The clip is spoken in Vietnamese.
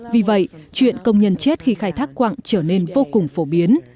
vì vậy chuyện công nhân chết khi khai thác quạng trở nên vô cùng phổ biến